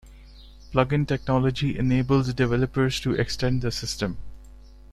Plugin technology enables developers to extend the system.